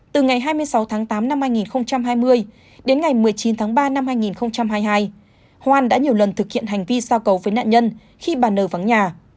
từ ngày hai mươi sáu tháng tám năm hai nghìn hai mươi đến ngày một mươi chín tháng ba năm hai nghìn hai mươi hai hoan đã nhiều lần thực hiện hành vi sao cầu với nạn nhân khi bà n vắng nhà